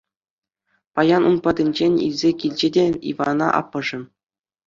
Паян ун патӗнчен илсе килчӗ те Ивана аппӑшӗ.